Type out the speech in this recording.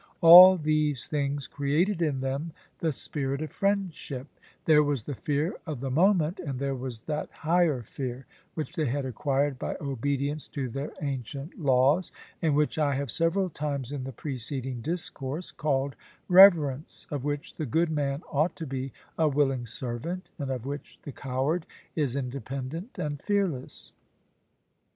All these things created in them the spirit of friendship; there was the fear of the moment, and there was that higher fear, which they had acquired by obedience to their ancient laws, and which I have several times in the preceding discourse called reverence, of which the good man ought to be a willing servant, and of which the coward is independent and fearless.